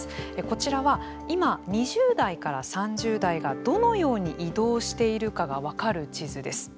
こちらは今、２０代３０代がどのように移動しているかが分かる地図です。